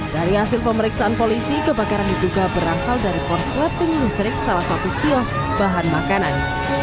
dari hasil pemeriksaan polisi kebakaran diduga berasal dari korsleting listrik salah satu kios bahan makanan